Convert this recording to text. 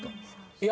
いや。